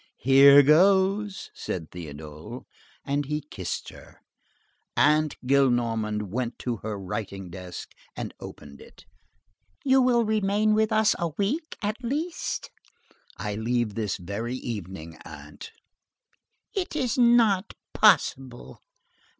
"Here goes!" said Théodule. And he kissed her. Aunt Gillenormand went to her writing desk and opened it. "You will remain with us a week at least?" "I leave this very evening, aunt." "It is not possible!"